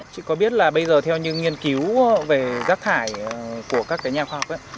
chị có biết là bây giờ theo những nghiên cứu về rác thải của các nhà khoa học ấy